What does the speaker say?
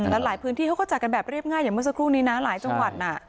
แล้วหลายพื้นที่เขาก็จัดกันแบบเรียบง่ายอย่างเมื่อสักครู่นี้นะหลายจังหวัดน่ะ